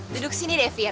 duduk sini deh fir